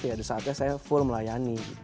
ya disaatnya saya full melayani